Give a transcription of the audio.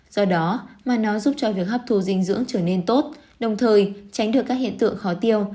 do đó mà nó giúp cho việc hấp thu dinh dưỡng trở nên tốt đồng thời tránh được các hiện tượng khó tiêu